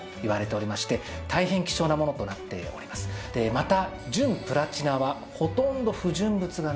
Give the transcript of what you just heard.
また。